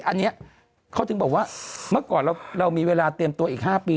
อันนี้เขาถึงบอกว่าเมื่อก่อนเรามีเวลาเตรียมตัวอีก๕ปี